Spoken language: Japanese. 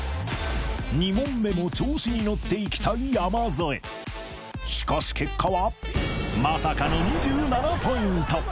２問目も調子に乗っていきたい山添しかし結果はまさかの２７ポイント